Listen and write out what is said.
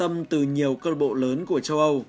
và sự quan tâm từ nhiều cơ lợi bộ lớn của châu âu